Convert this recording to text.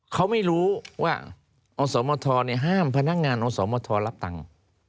เขาไม่รู้ว่าอสมทรห้ามพนักงานอสมทรรับตังค์